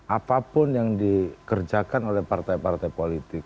apapun yang dikerjakan oleh partai partai politik